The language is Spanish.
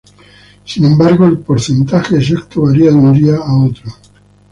Sin embargo, el porcentaje exacto varía de un día a otro.